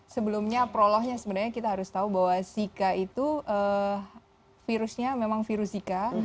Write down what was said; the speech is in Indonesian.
sebelumnya prolognya sebenarnya kita harus tahu bahwa zika itu virusnya memang virus zika